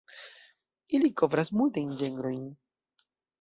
Ili kovras multajn ĝenrojn.